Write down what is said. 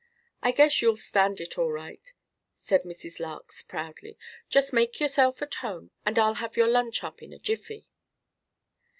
"I guess you'll stand it all right," said Mrs. Larks proudly. "Just make yourself at home and I'll have your lunch up in a jiffy."